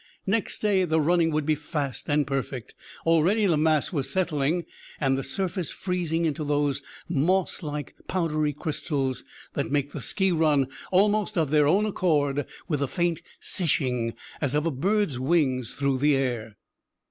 Next day the "running" would be fast and perfect. Already the mass was settling, and the surface freezing into those moss like, powdery crystals that make the ski run almost of their own accord with the faint "sishing" as of a bird's wings through the air.